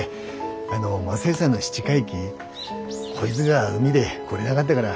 あの雅代さんの七回忌こいづが海で来れながったがら。